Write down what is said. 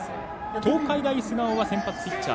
東海大菅生は、先発ピッチャー